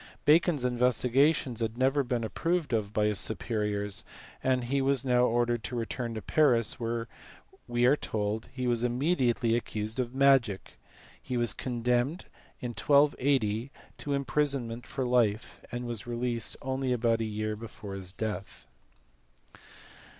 Bacon s investigations had never been approved of by his superiors, and he was now ordered to return to Paris where we are told he was immediately accused of magic : he was condemned in 1280 to imprisonment for life, and was released only about a year before his death.